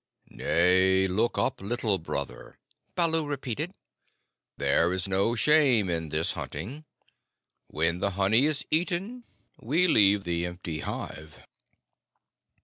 "Nay, look up, Little Brother," Baloo repeated. "There is no shame in this hunting. When the honey is eaten we leave the empty hive."